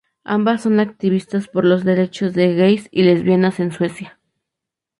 Ambas son activistas por los derechos de gays y lesbianas en Suecia.